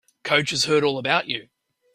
Coach has heard all about you.